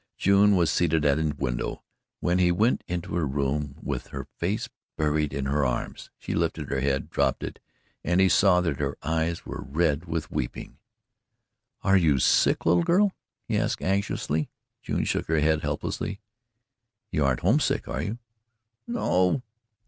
June was seated at a window when he went into her room with her face buried in her arms. She lifted her head, dropped it, and he saw that her eyes were red with weeping. "Are you sick, little girl?" he asked anxiously. June shook her head helplessly. "You aren't homesick, are you?" "No."